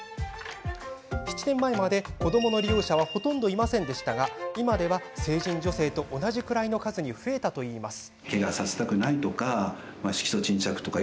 ７年前まで子どもの利用者はほとんどいませんでしたが今では成人女性と同じくらいの数に増えたといいます。